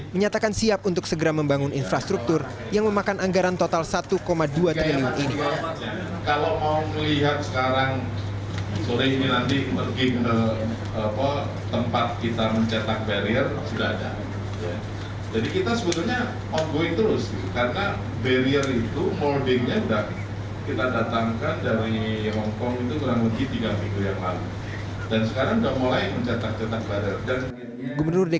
menyatakan siap untuk segera membangun infrastruktur yang memakan anggaran total rp satu dua triliun